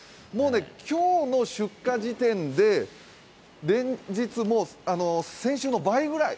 今日の出荷時点で、先週の倍ぐらい、